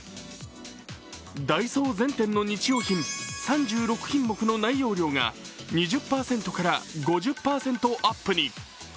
ダイソー全店の日用品３６品目の内容量が２０％から５０％アップに。